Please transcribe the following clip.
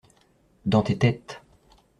Dans tes têtes.